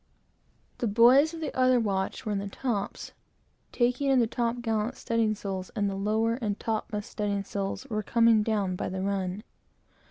The boys of the other watch were in the tops, taking in the top gallant studding sails, and the lower and topmast studding sails were coming down by the run.